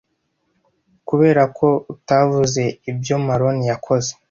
kuberako utavuze ibyo maroni yakoze